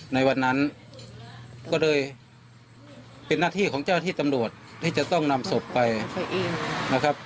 ในวันนั้นก็เลยเป็นหน้าที่ของเจ้าที่ตำรวจที่จะต้องนำศพไปนะครับ